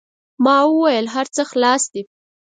ما و ویل: هر څه خلاص دي.